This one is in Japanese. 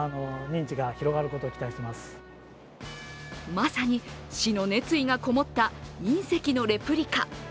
まさに市の熱意がこもった隕石のレプリカ。